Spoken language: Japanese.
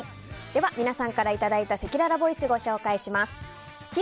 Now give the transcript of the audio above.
では、皆さんからいただいたせきららボイスご紹介します。